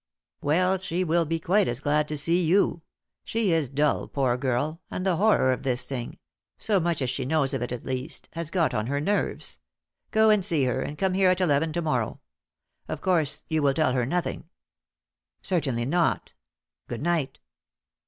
"Well, she will be quite as glad to see you. She is dull, poor girl, and the horror of this thing so much as she knows of it at least has got on her nerves. Go and see her, and come here at eleven to morrow. Of course, you will tell her nothing." "Certainly not. Good night."